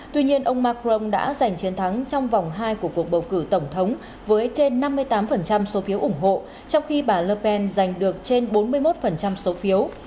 tuy nhiên ông macron đã giành chiến thắng trong vòng hai của cuộc bầu cử tổng thống với trên năm mươi tám số phiếu ủng hộ trong khi bà ler pen giành được trên bốn mươi một số phiếu